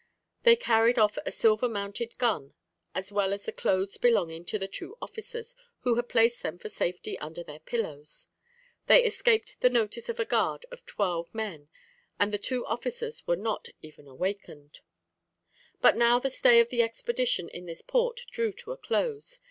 They carried off a silver mounted gun, as well as the clothes belonging to the two officers, who had placed them for safety under their pillows. They escaped the notice of a guard of twelve men, and the two officers were not even awakened. [Illustration: Typical native of the Port des Français.] But now the stay of the expedition in this port drew to a close.